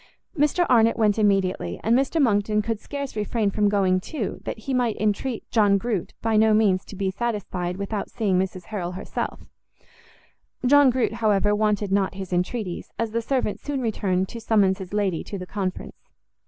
Mr Arnott went immediately, and Mr Monckton could scarce refrain from going too, that he might entreat John Groot by no means to be satisfied without seeing Mrs Harrel herself: John Groot, however, wanted not his entreaties, as the servant soon returned to summons his lady to the conference.